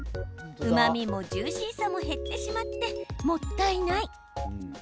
うまみもジューシーさも減ってしまってもったいない。